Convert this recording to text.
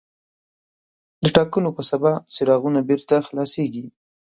د ټاکنو په سبا څراغونه بېرته خلاصېږي.